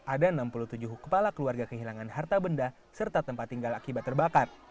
ada enam puluh tujuh kepala keluarga kehilangan harta benda serta tempat tinggal akibat terbakar